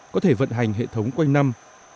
có thể vận hành hệ thống quanh năm